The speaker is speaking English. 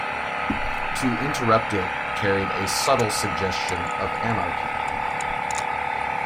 To interrupt it carried a subtle suggestion of anarchy.